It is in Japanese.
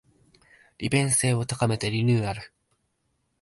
利便性を高めてリニューアル